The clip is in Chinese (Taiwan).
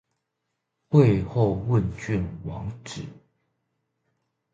會後問卷網址